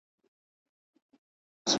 بس همدا د زورورو عدالت دی ,